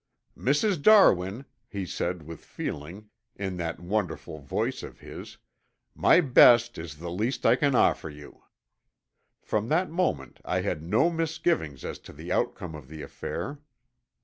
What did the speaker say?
"Mrs. Darwin," he said, with feeling, in that wonderful voice of his, "my best is the least I can offer you." From that moment I had no misgivings as to the outcome of the affair.